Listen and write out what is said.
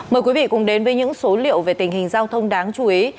mời quý vị cùng đến với những số liệu về tình hình giao thông đáng chú ý